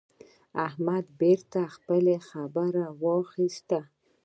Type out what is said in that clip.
احمد بېرته خپله خبره واخيسته.